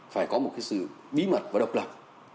phải có một sự bí mật và độc lập